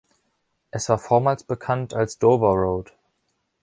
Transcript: Es war vormals bekannt als Dover Road.